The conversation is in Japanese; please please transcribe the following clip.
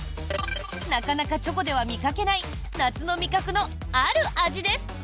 なかなかチョコでは見かけない夏の味覚の、ある味です。